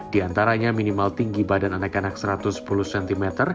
diantaranya minimal tinggi badan anak anak satu ratus sepuluh cm